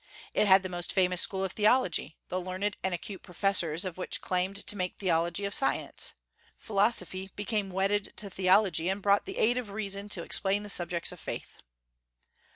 It had the most famous school of theology, the learned and acute professors of which claimed to make theology a science. Philosophy became wedded to theology, and brought the aid of reason to explain the subjects of faith.